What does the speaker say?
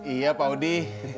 iya pak udi